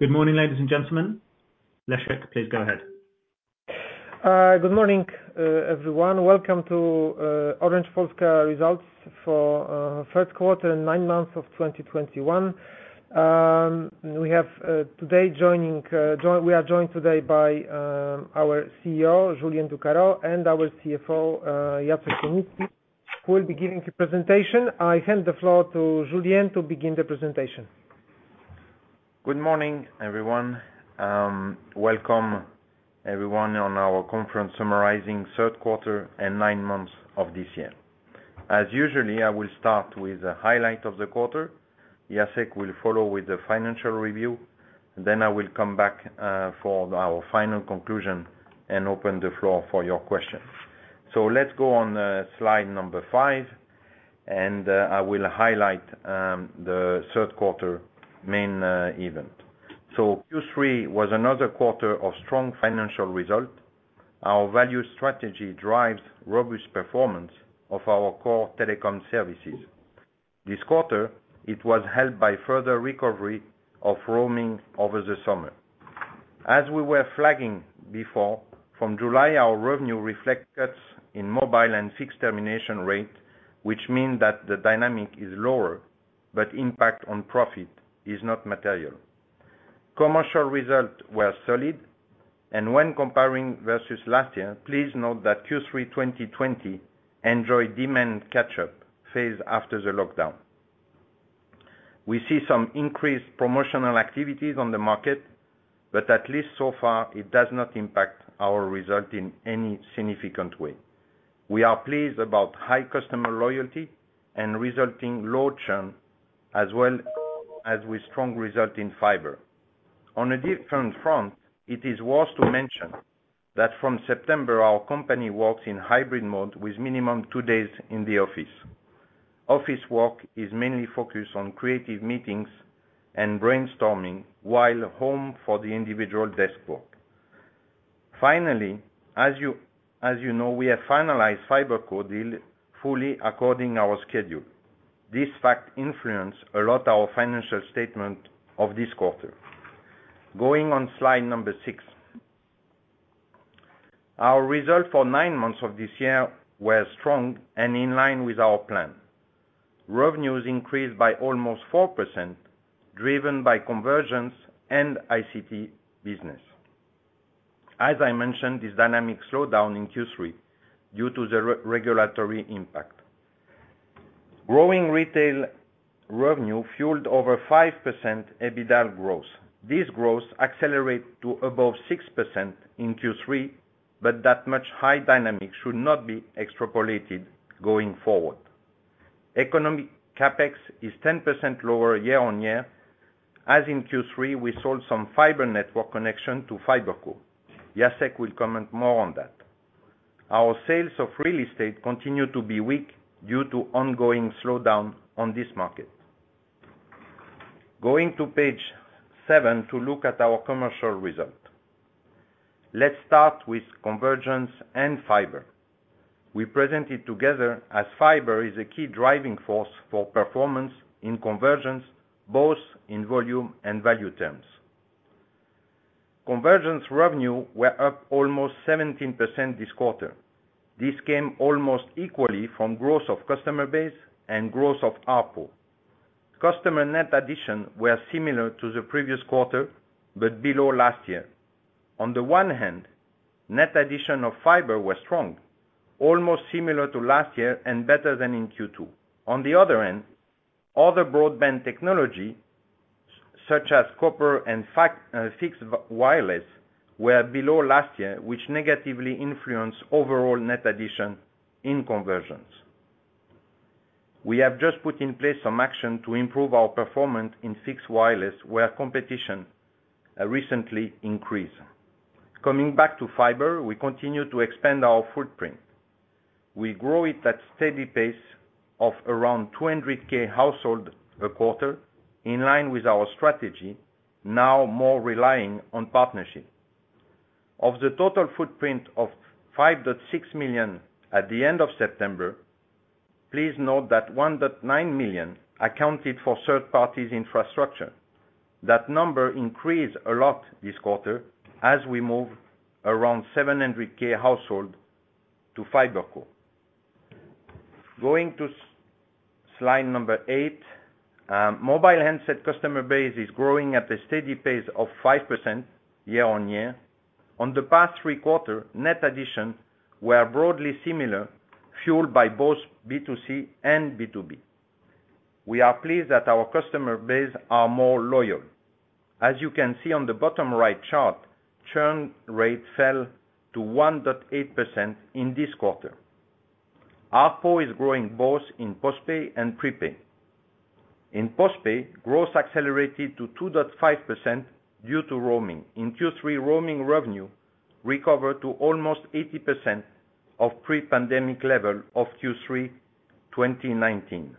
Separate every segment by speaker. Speaker 1: Good morning, ladies and gentlemen. Leszek, please go ahead.
Speaker 2: Good morning, everyone. Welcome to Orange Polska results for Q3 and 9 months of 2021. We are joined today by our CEO, Julien Ducarroz, and our CFO, Jacek Kunicki, who will be giving the presentation. I hand the floor to Julien to begin the presentation.
Speaker 3: Good morning, everyone. Welcome everyone on our conference summarizing Q3 and 9 months of this year. As usual, I will start with the highlight of the quarter. Jacek will follow with the financial review, then I will come back for our final conclusion and open the floor for your questions. Let's go on slide number 5, and I will highlight the Q3 main event. Q3 was another quarter of strong financial results. Our value strategy drives the robust performance of our core telecom services. This quarter, it was helped by further recovery of roaming over the summer. As we flagged before, from July, our revenue reflects cuts in mobile and fixed termination rates, which means that the dynamic is lower, but the impact on profit is not material. Commercial results were solid. When comparing versus last year, please note that Q3 2020 enjoyed a demand catch-up phase after the lockdown. We see some increased promotional activities on the market, but at least so far, it does not impacted our results in any significant way. We are pleased about high customer loyalty and resulting low churn, as well as with strong results in fiber. On a different front, it is worth mentioning that from September, our company works in hybrid mode with a minimum 2 days in the office. Office work is mainly focused on creative meetings and brainstorming while home for the individual desk work. Finally, as you know, we have finalized the FiberCo deal fully according our schedule. This fact influences a lot our financial statements of this quarter. Moving on to slide number 6. Our results for 9 months of this year were strong and in line with our plan. Revenues increased by almost 4%, driven by convergence and the ICT business. As I mentioned, this dynamic slowed down in Q3 due to the regulatory impact. Growing retail revenue fueled over 5% EBITDA growth. This growth accelerate to above 6% in Q3, but that much high dynamic should not be extrapolated going forward. Economic CapEx is 10% lower year-on-year. As in Q3, we sold some fiber network connections to FiberCo. Jacek will comment more on that. Our sales of real estate continue to be weak due to ongoing slowdown on this market. Going to page 7 to look at our commercial result. Let's start with convergence and fiber. We present it together as fiber is a key driving force for performance in convergence, both in volume and value terms. Convergence revenue was up almost 17% this quarter. This came almost equally from the growth of customer base and the growth of ARPU. Customer net addition were similar to the previous quarter, but below last year. On the one hand, net addition of fiber was strong, almost similar to last year and better than in Q2. On the other hand, other broadband technologies such as copper and FWA, fixed wireless, were below last year, which negatively influenced overall net addition in convergence. We have just put in place some action to improve our performance in fixed wireless, where competition recently increased. Coming back to fiber, we continue to expand our footprint. We grow it at a steady pace of around 200K households a quarter, in line with our strategy, now more relying on partnerships. Of the total footprint of 5.6 million at the end of September, please note that 1.9 million accounted for third-party infrastructure. That number increased a lot this quarter as we move around 700K households to FiberCo. Going to slide number eight. Mobile handset customer base is growing at a steady pace of 5% year-on-year. Over the past three quarters, net additions were broadly similar, fueled by both B2C and B2B. We are pleased that our customer base are more loyal. As you can see on the bottom right chart, churn rate fell to 1.8% in this quarter. ARPU is growing both in postpaid and prepaid. In postpaid, growth accelerated to 2.5% due to roaming. In Q3, roaming revenue recovered to almost 80% of pre-pandemic level of Q3 2019.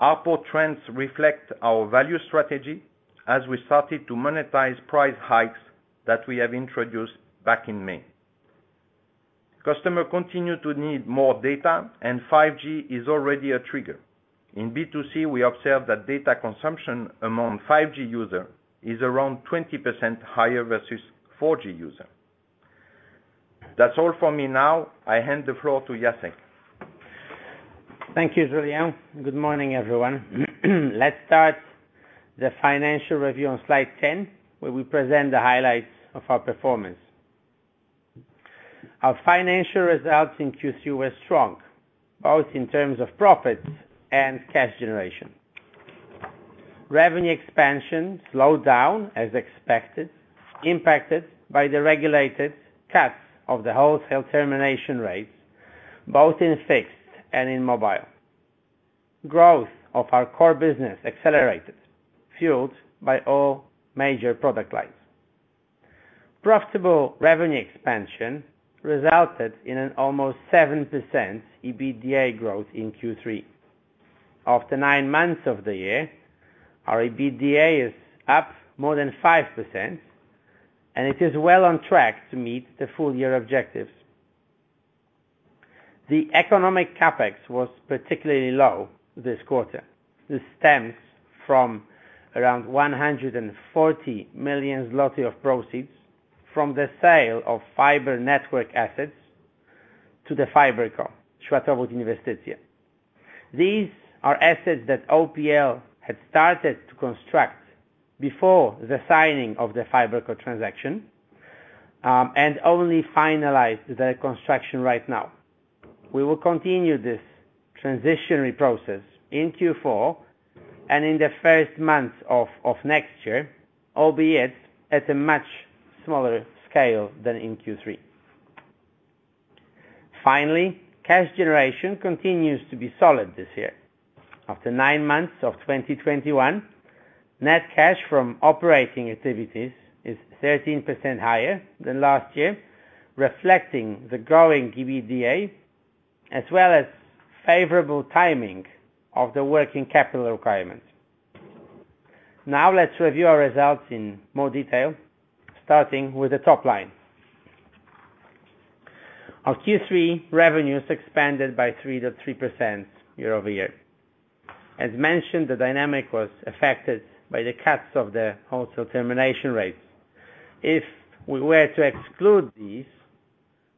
Speaker 3: ARPU trends reflect our value strategy as we started to monetize price hikes that we introduced back in May. Customers continue to need more data, and 5G is already a trigger. In B2C, we observe that data consumption among 5G users is around 20% higher versus 4G users. That's all for me now. I hand the floor to Jacek.
Speaker 4: Thank you, Julien. Good morning, everyone. Let's start the financial review on slide 10, where we present the highlights of our performance. Our financial results in Q3 were strong, both in terms of profits and cash generation. Revenue expansion slowed down as expected, impacted by the regulated cuts of the wholesale termination rates, both in fixed and mobile. Growth of our core business accelerated, fueled by all major product lines. Profitable revenue expansion resulted in an almost 7% EBITDA growth in Q3. After 9 months of the year, our EBITDA is up more than 5%, and it is well on track to meet the full year objectives. The economic CapEx was particularly low this quarter. This stems from around 140 million zloty of proceeds from the sale of fiber network assets to FiberCo, Światłowód Inwestycje. These are assets that OPL had started to construct before the signing of the FiberCo transaction, and only finalized the construction right now. We will continue this transitional process in Q4 and in the first months of next year, albeit at a much smaller scale than in Q3. Finally, cash generation continues to be solid this year. After 9 months of 2021, net cash from operating activities is 13% higher than last year, reflecting the growing EBITDA, as well as favorable timing of the working capital requirements. Now let's review our results in more detail, starting with the top line. Our Q3 revenues expanded by 3.3% year-over-year. As mentioned, the dynamic was affected by the cuts of the wholesale termination rates. If we were to exclude these,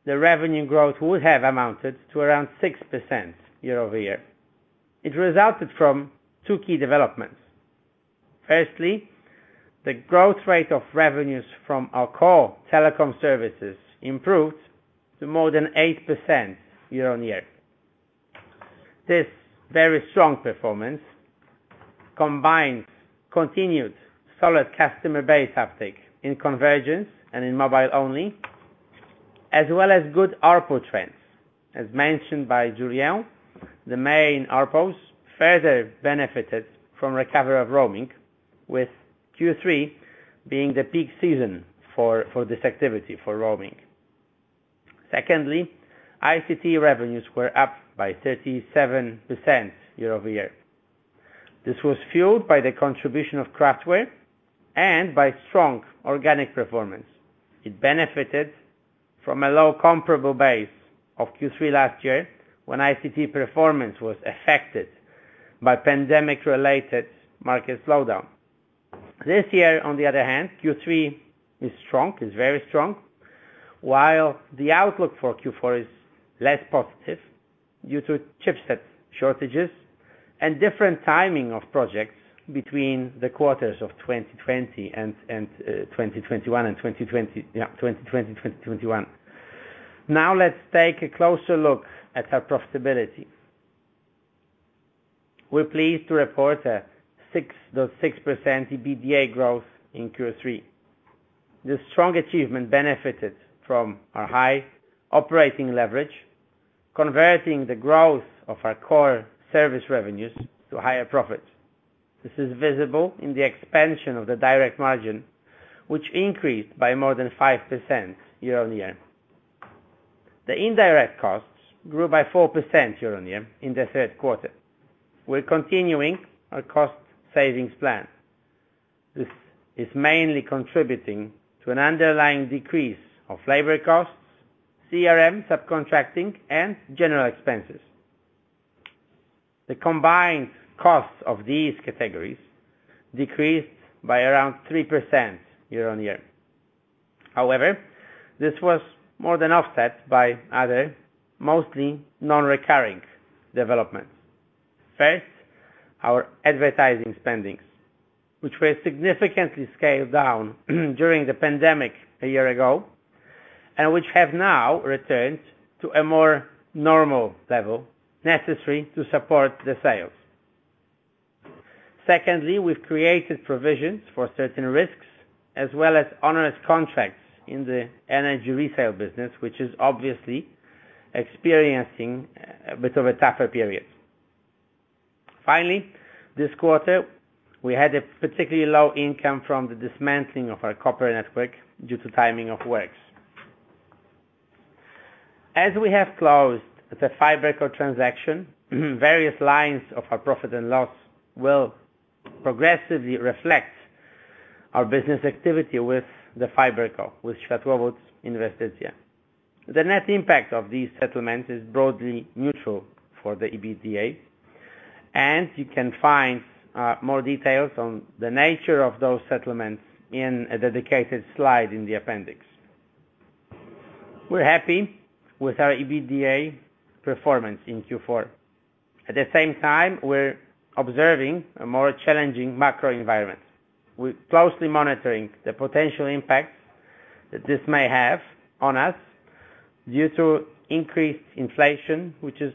Speaker 4: the revenue growth would have amounted to around 6% year-over-year. It resulted from two key developments. Firstly, the growth rate of revenues from our core telecom services improved to more than 8% year-on-year. This very strong performance combines continued solid customer base uptake in convergence and in mobile only, as well as good ARPU trends. As mentioned by Julien, the main ARPUs further benefited from recovery of roaming with Q3 being the peak season for this activity for roaming. Secondly, ICT revenues were up by 37% year-over-year. This was fueled by the contribution of Craftware and by strong organic performance. It benefited from a low comparable base of Q3 last year, when ICT performance was affected by pandemic-related market slowdown. This year, on the other hand, Q3 is very strong, while the outlook for Q4 is less positive due to chipset shortages and different timing of projects between the quarters of 2020 and 2021. Now let's take a closer look at our profitability. We're pleased to report a 6.6% EBITDA growth in Q3. This strong achievement benefited from our high operating leverage, converting the growth of our core service revenues to higher profits. This is visible in the expansion of the direct margin, which increased by more than 5% year-on-year. The indirect costs grew by 4% year-on-year in Q3. We're continuing our cost savings plan. This is mainly contributing to an underlying decrease in labor costs, CRM, subcontracting, and general expenses. The combined costs of these categories decreased by around 3% year-on-year. However, this was more than offset by other mostly non-recurring developments. First, our advertising spending, which was significantly scaled down during the pandemic a year ago, and which has now returned to a more normal level necessary to support the sales. Secondly, we've created provisions for certain risks as well as onerous contracts in the energy resale business, which is obviously experiencing a bit of a tougher period. Finally, this quarter, we had a particularly low income from the dismantling of our corporate network due to the timing of works. As we have closed the FiberCo transaction, various lines of our profit and loss will progressively reflect our business activity with the FiberCo, with Światłowód Inwestycje. The net impact of these settlements is broadly neutral for the EBITDA, and you can find more details on the nature of those settlements in a dedicated slide in the appendix. We're happy with our EBITDA performance in Q4. At the same time, we're observing a more challenging macro environment. We're closely monitoring the potential impact that this may have on us due to increased inflation, which is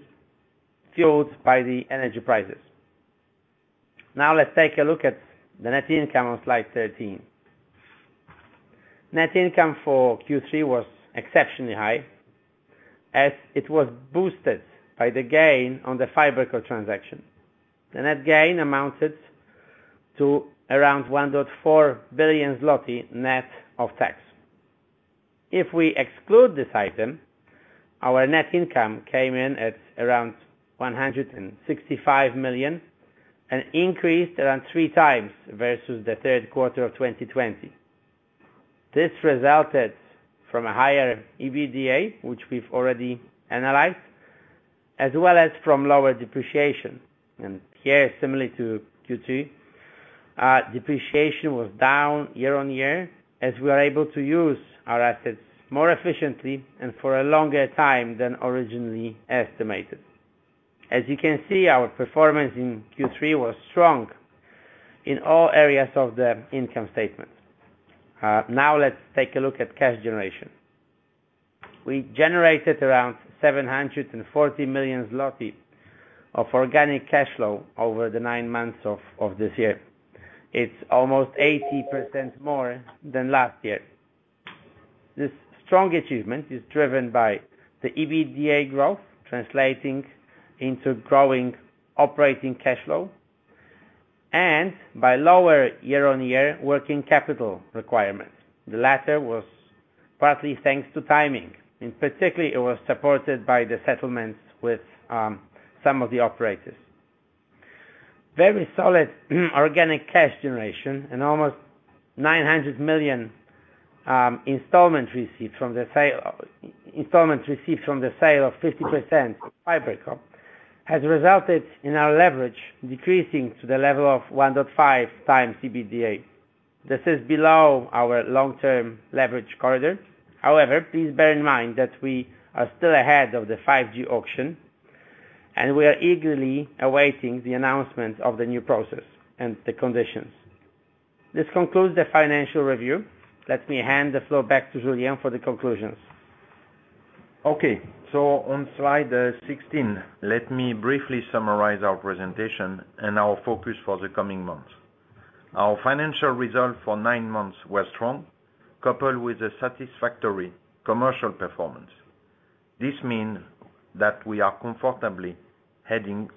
Speaker 4: fueled by the energy prices. Now let's take a look at the net income on slide 13. Net income for Q3 was exceptionally high as it was boosted by the gain on the FiberCo transaction. The net gain amounted to around 1.4 billion zloty net of tax. If we exclude this item, our net income came in at around 165 million, an increase around 3 times versus the Q3 of 2020. This resulted from a higher EBITDA, which we've already analyzed, as well as from lower depreciation. Here, similarly to Q3, depreciation was down year-on-year as we are able to use our assets more efficiently and for a longer time than originally estimated. As you can see, our performance in Q3 was strong in all areas of the income statement. Now let's take a look at cash generation. We generated around 740 million zloty of organic cash flow over the 9 months of this year. It's almost 80% more than last year. This strong achievement is driven by the EBITDA growth, translating into growing operating cash flow and by lower year-on-year working capital requirements. The latter was partly thanks to timing, and particularly it was supported by the settlements with some of the operators. Very solid organic cash generation and almost 900 million installment received from the sale of 50% FiberCo has resulted in our leverage decreasing to the level of 1.5 times EBITDA. This is below our long-term leverage corridor. However, please bear in mind that we are still ahead of the 5G auction, and we are eagerly awaiting the announcement of the new process and the conditions. This concludes the financial review. Let me hand the floor back to Julien for the conclusions.
Speaker 3: Okay. On slide 16, let me briefly summarize our presentation and our focus for the coming months. Our financial results for 9 months were strong, coupled with a satisfactory commercial performance. This means that we are comfortably heading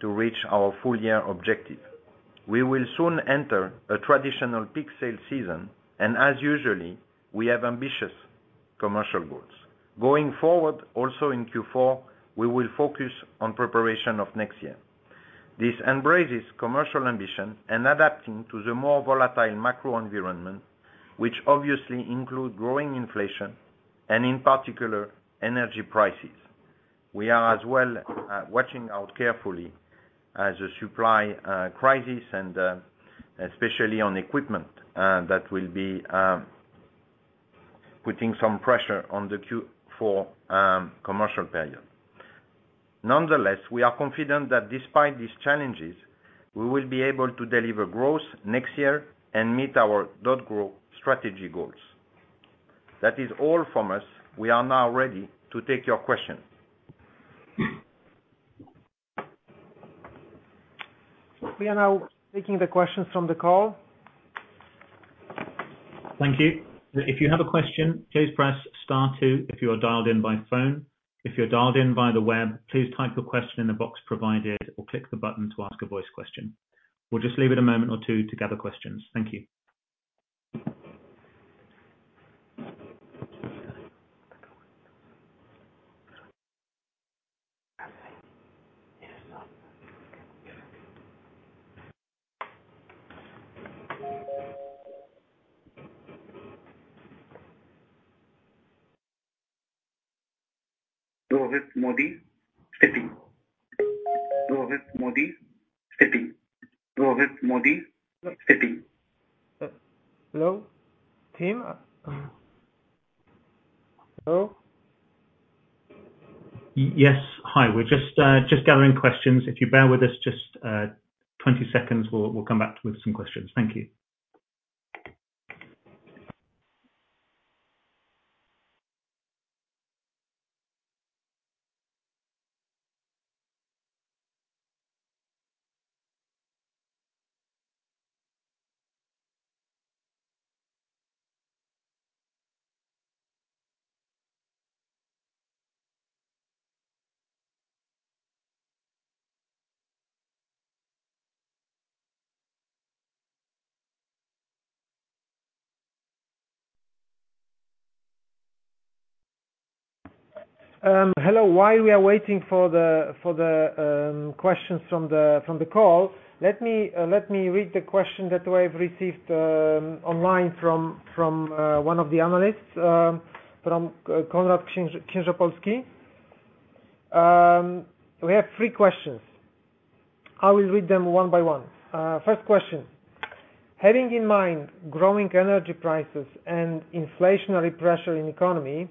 Speaker 3: to reach our full-year objective. We will soon enter a traditional peak sales season, and as usual, we have ambitious commercial goals. Going forward, also in Q4, we will focus on preparation of next year. This embraces commercial ambition and adapting to the more volatile macro environment, which obviously includes growing inflation and in particular, energy prices. We are as well watching out carefully for a supply crisis and especially on equipment that will be putting some pressure on the Q4 commercial period. Nonetheless, we are confident that despite these challenges, we will be able to deliver growth next year and meet our. Grow strategy goals. That is all from us. We are now ready to take your questions.
Speaker 2: We are now taking the questions from the call.
Speaker 1: Thank you. If you have a question, please press star 2 if you are dialed in by phone. If you're dialed in via the web, please type your question in the box provided or click the button to ask a voice question. We'll just leave it a moment or two to gather questions. Thank you.
Speaker 2: Rohit Modi, Citi. Hello? Team? Hello?
Speaker 1: Yes. Hi. We're just gathering questions. If you bear with us just 20 seconds, we'll come back with some questions. Thank you.
Speaker 2: Hello. While we are waiting for the questions from the call, let me read the question that we've received online from one of the analysts from Konrad Księżopolski. We have three questions. I will read them one by one. First question: Having in mind growing energy prices and inflationary pressure in economy,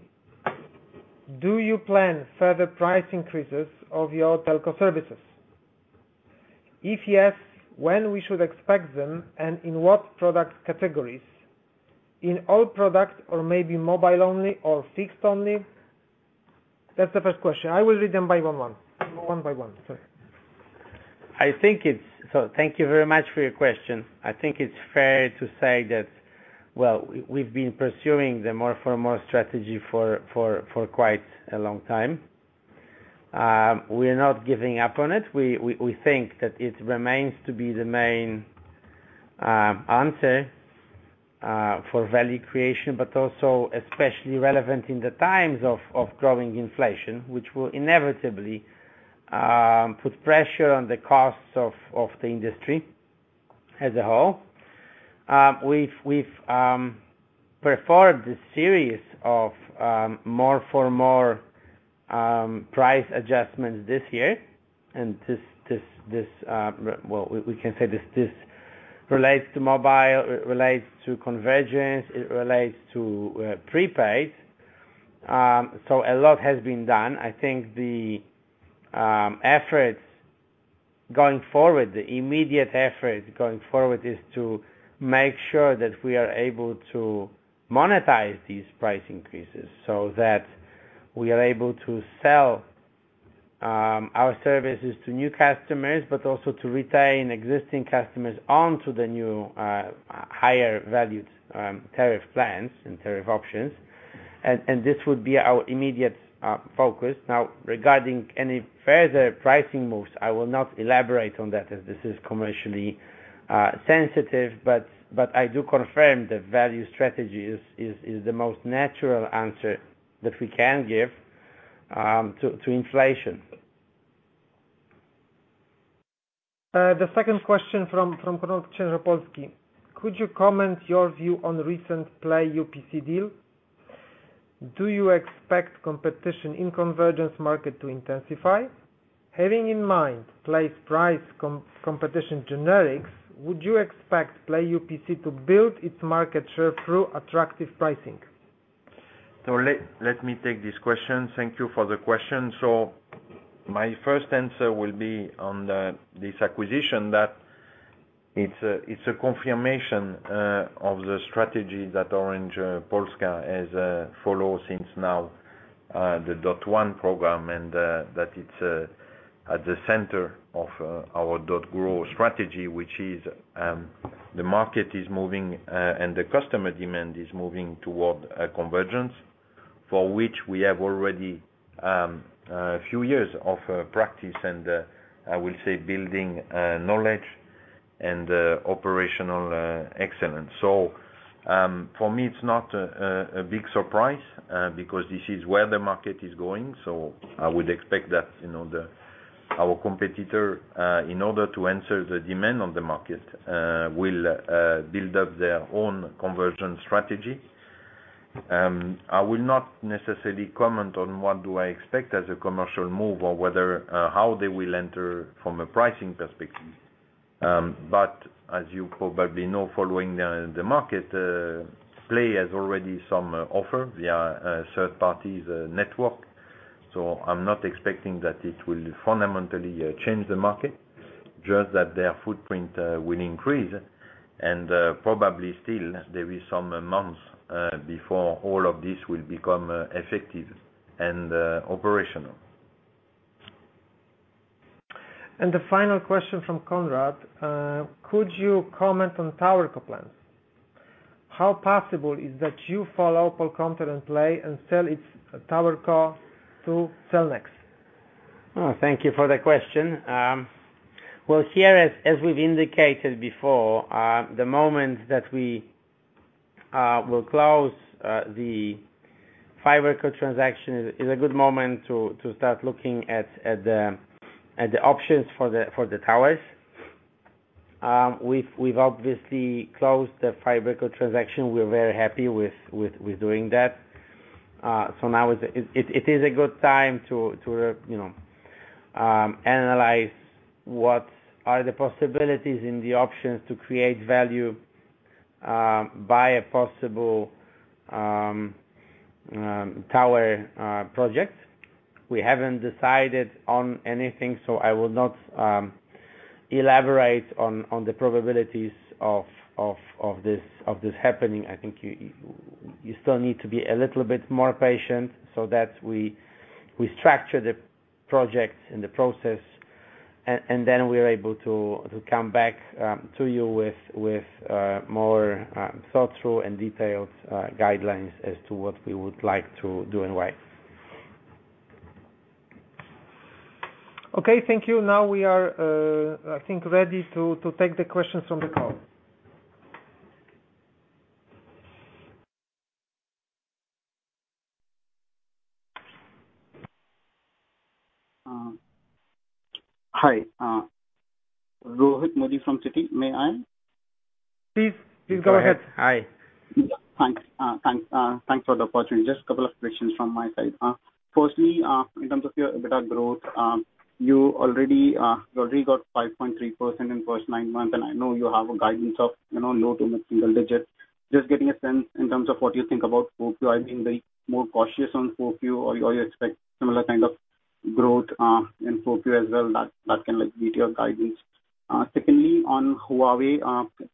Speaker 2: do you plan further price increases of your telco services? If yes, when we should expect them, and in what product categories? In all products or maybe mobile only or fixed only? That's the first question. I will read them one by one, sorry.
Speaker 4: Thank you very much for your question. I think it's fair to say that, well, we've been pursuing the More for More strategy for quite a long time. We are not giving up on it. We think that it remains to be the main answer for value creation, but also especially relevant in the times of growing inflation, which will inevitably put pressure on the costs of the industry as a whole. We've preferred a series of More for More price adjustments this year. This, well, we can say this relates to mobile, it relates to convergence, it relates to prepaid. A lot has been done. I think the efforts going forward, the immediate effort going forward is to make sure that we are able to monetize these price increases, so that we are able to sell our services to new customers, but also to retain existing customers on the new higher-value tariff plans and tariff options. This would be our immediate focus. Now, regarding any further pricing moves, I will not elaborate on that as this is commercially sensitive, but I do confirm the value strategy is the most natural answer that we can give to inflation.
Speaker 2: The second question from Konrad Księżopolski. Could you comment on your view on recent Play UPC deal? Do you expect competition in convergence market to intensify? Having in mind Play's price competition in general, would you expect Play UPC to build its market share through attractive pricing?
Speaker 3: Let me take this question. Thank you for the question. My first answer will be on this acquisition that it's a confirmation of the strategy that Orange Polska has followed since now the .one program, and that it's at the center of our. Grow strategy, which is the market is moving and the customer demand is moving toward a convergence for which we have already few years of practice and I will say building knowledge and operational excellence. For me, it's not a big surprise because this is where the market is going. I would expect that, you know, our competitor in order to answer the demand on the market will build up their own convergence strategy. I will not necessarily comment on what do I expect as a commercial move or whether how they will enter from a pricing perspective. As you probably know, following the market, Play has already some offer via third parties network. I'm not expecting that it will fundamentally change the market, just that their footprint will increase. Probably still there is some months before all of this will become effective and operational.
Speaker 2: The final question from Konrad Księżopolski. Could you comment on TowerCo plans? How possible is that you follow Polkomtel and Play and sell its TowerCo to Cellnex?
Speaker 4: Thank you for the question. Well, here, as we've indicated before, the moment that we will close the FiberCo transaction is a good moment to start looking at the options for the towers. We've obviously closed the FiberCo transaction. We're very happy with doing that. So now it is a good time to analyze what are the possibilities in the options to create value by a possible tower project. We haven't decided on anything, so I will not elaborate on the probabilities of this happening. I think you still need to be a little bit more patient so that we structure the project and the process and then we're able to come back to you with more thought through and detailed guidelines as to what we would like to do and why.
Speaker 2: Okay, thank you. Now we are, I think, ready to take the questions from the call.
Speaker 5: Hi, Rohit Modi from Citi. May I?
Speaker 1: Please, go ahead.
Speaker 4: Hi.
Speaker 5: Thanks. Thanks for the opportunity. Just a couple of questions from my side. Firstly, in terms of your EBITDA growth, you already got 5.3% in the first 9 months, and I know you have a guidance of low- to mid-single digits. Just getting a sense in terms of what you think about Q4, are you being much more cautious on Q4, or you expect a similar kind of growth in Q4 as well that can like meet your guidance? Secondly, on Huawei,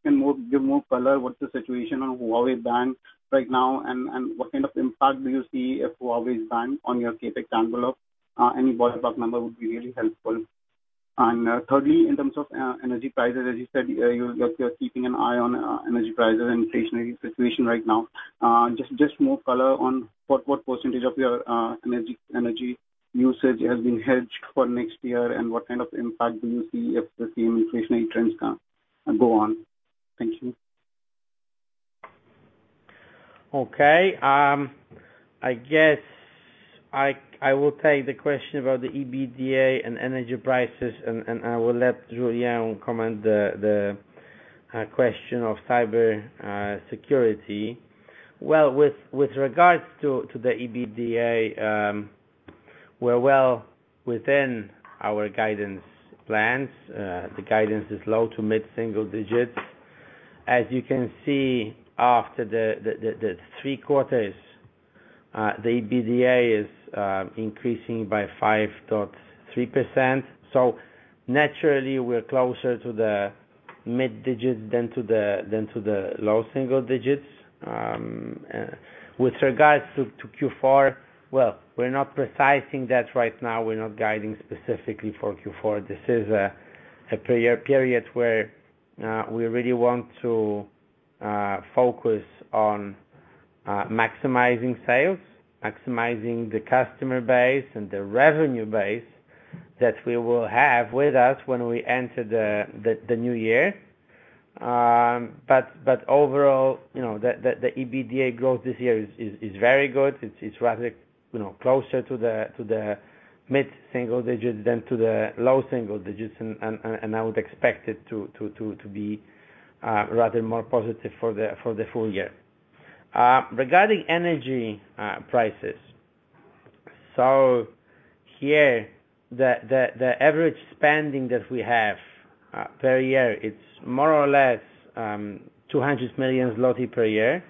Speaker 5: can you give more color on what's the situation on Huawei ban right now and what kind of impact do you see if Huawei is banned on your CapEx envelope? Any ballpark number would be really helpful. Thirdly, in terms of energy prices, as you said, you're keeping an eye on energy prices and inflationary situation right now. Just more color on what percentage of your energy usage has been hedged for next year, and what kind of impact do you see if the same inflationary trends go on? Thank you.
Speaker 4: Okay. I guess I will take the question about the EBITDA and energy prices and I will let Julien comment the question of cyber security. Well, with regards to the EBITDA, we're well within our guidance plans. The guidance is low- to mid-single digits. As you can see, after the three quarters, the EBITDA is increasing by 5.3%. Naturally, we're closer to the mid digits than to the low single digits. With regards to Q4, well, we're not specifying that right now. We're not guiding specifically for Q4. This is a per-year period where we really want to focus on maximizing sales, maximizing the customer base, and the revenue base that we will have with us when we enter the new year. Overall, you know, the EBITDA growth this year is very good. It's rather closer to the mid-single digits than to the low single digits, and I would expect it to be rather more positive for the full year. Regarding energy prices. Here, the average spending that we have per year is more or less 200 million zloty per year.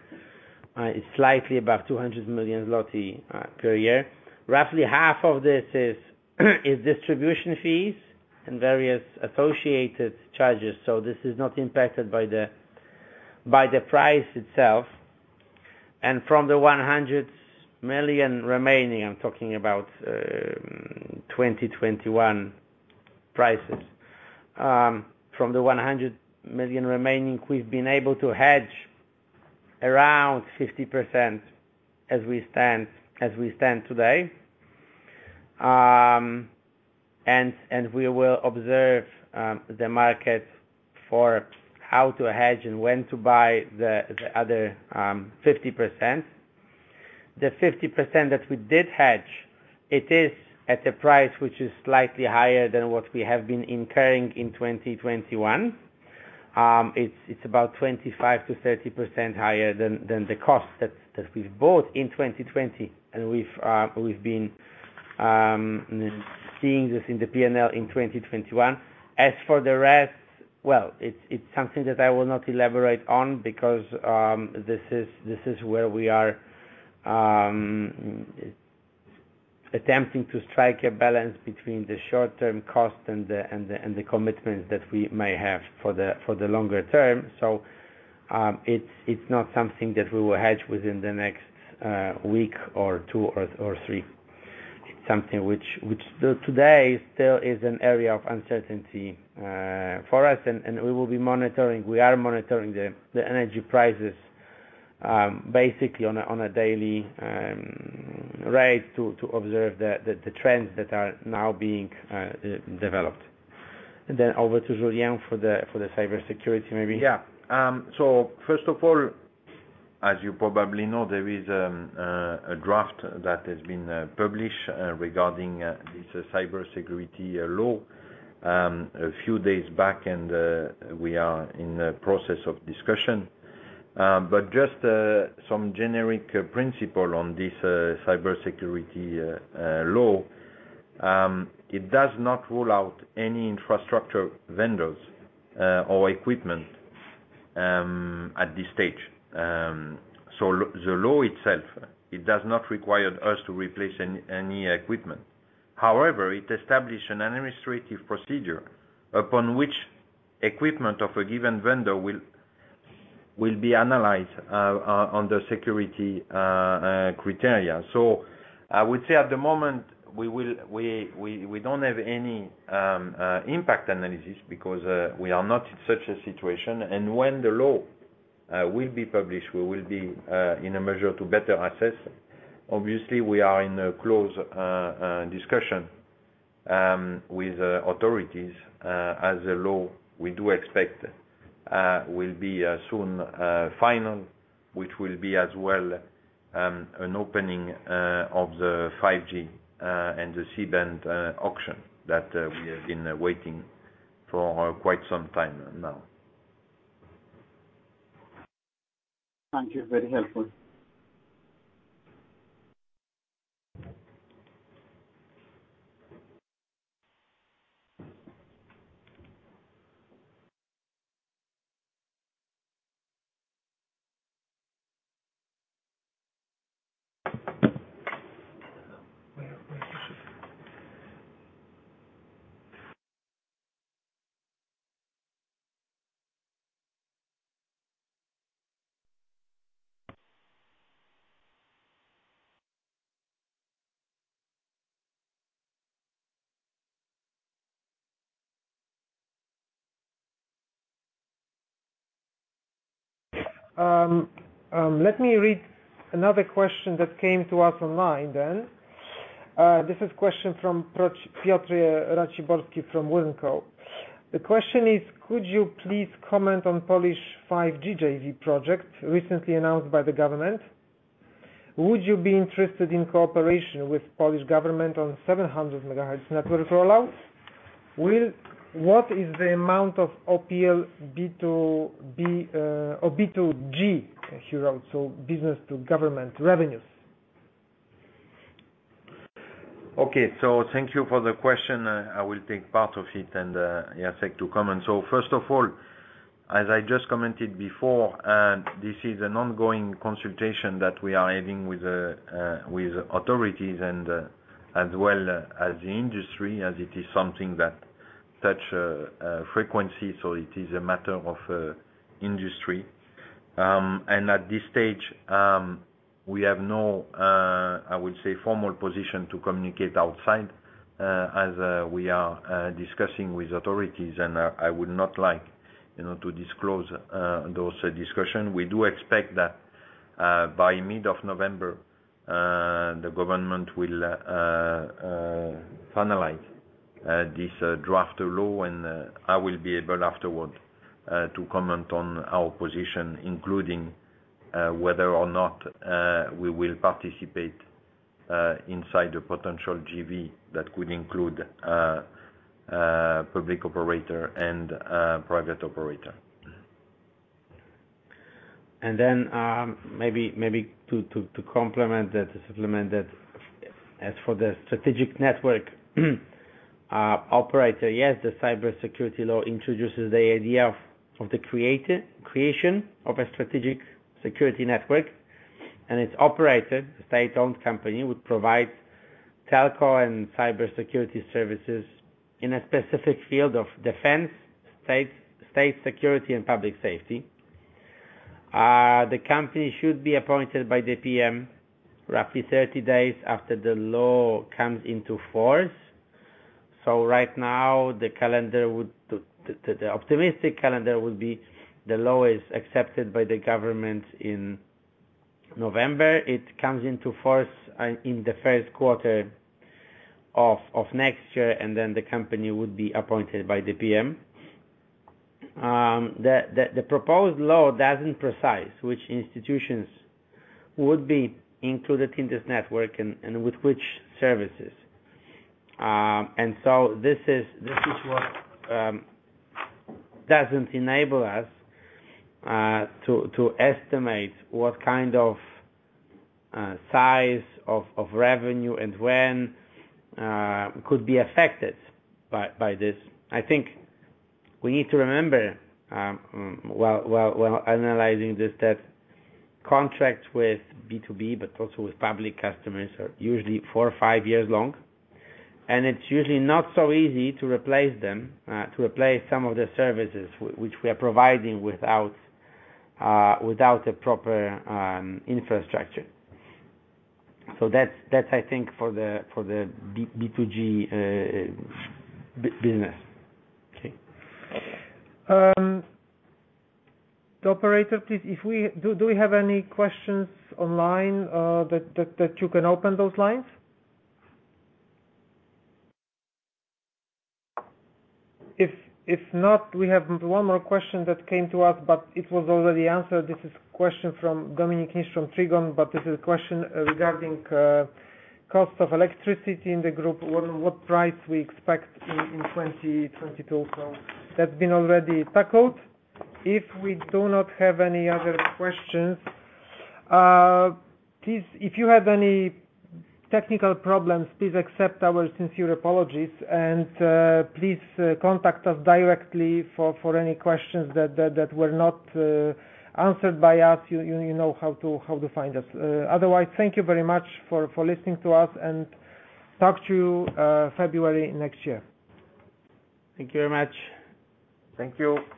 Speaker 4: It's slightly above 200 million zloty per year. Roughly half of this is distribution fees and various associated charges. This is not impacted by the price itself. From the 100 million remaining, I'm talking about 2021 prices. From the 100 million remaining, we've been able to hedge around 50% as we stand today. We will observe the market for how to hedge and when to buy the other 50%. The 50% that we did hedge, it is at a price which is slightly higher than what we have been incurring in 2021. It's about 25%-30% higher than the cost that we've bought in 2020. We've been seeing this in the P&L in 2021. As for the rest, well, it's something that I will not elaborate on because this is where we are attempting to strike a balance between the short-term cost and the commitments that we may have for the longer term. It's not something that we will hedge within the next week or two or three. It's something which till today still is an area of uncertainty for us. We are monitoring the energy prices basically on a daily basis to observe the trends that are now being developed. Over to Julien for the cybersecurity maybe.
Speaker 3: First of all, as you probably know, there is a draft that has been published regarding this cybersecurity law a few days ago, and we are in the process of discussion. Just some generic principle on this cybersecurity law. It does not rule out any infrastructure vendors or equipment at this stage. The law itself, it does not require us to replace any equipment. However, it established an administrative procedure upon which the equipment of a given vendor will be analyzed on the security criteria. I would say at the moment, we don't have any impact analysis because we are not in such a situation. When the law will be published, we will be in a position to better assess. Obviously, we are in a close discussion with authorities on the law we do expect will be soon final, which will be as well an opening of the 5G and the C-band auction that we have been waiting for quite some time now.
Speaker 5: Thank you. Very helpful.
Speaker 2: Let me read another question that came to us online. This is a question from Piotr Raciborski from WOOD & Company. The question is: Could you please comment on Polish 5G JV project recently announced by the government? Would you be interested in cooperation with Polish government on 700 MHz network rollout? What is the amount of OPL B2B or B2G he wrote, so business to government revenues?
Speaker 3: Okay. Thank you for the question. I will take part of it, and Jacek to comment. First of all, as I just commented before, this is an ongoing consultation that we are having with authorities and as well as the industry, as it is something that touches frequency, so it is a matter of industry. At this stage, we have no, I would say, formal position to communicate outside, as we are discussing with authorities. I would not like, you know, to disclose those discussions. We do expect that by mid of November the government will finalize this draft law. I will be able afterward to comment on our position, including whether or not we will participate inside the potential JV that could include a public operator and private operator.
Speaker 4: Maybe to complement that, to supplement that. As for the strategic network operator, yes, the cybersecurity law introduces the idea of the creation of a strategic security network. Its operator, state-owned company, would provide telco and cybersecurity services in a specific field of defense, state security and public safety. The company should be appointed by the PM roughly 30 days after the law comes into force. Right now, the optimistic calendar would be the law is accepted by the government in November. It comes into force in the first quarter of next year, and then the company would be appointed by the PM. The proposed law doesn't specify which institutions would be included in this network and with which services. This is what doesn't enable us to estimate what kind of size of revenue and when could be affected by this. I think we need to remember while analyzing this that contracts with B2B, but also with public customers are usually four or five years long, and it's usually not so easy to replace them to replace some of the services which we are providing without a proper infrastructure. That's I think for the B2G business.
Speaker 2: Okay. The operator, please. Do we have any questions online that you can open those lines? If not, we have one more question that came to us, but it was already answered. This is a question from Dominik Niszcz, Trigon Dom Maklerski S.A. This is a question regarding the cost of electricity in the group. What price do we expect in 2022? That's already been tackled. If we do not have any other questions. Please, if you have any technical problems, please accept our sincere apologies, and please contact us directly for any questions that were not answered by us. You know how to find us. Otherwise, thank you very much for listening to us and talking to you next February next year.
Speaker 4: Thank you very much.
Speaker 3: Thank you.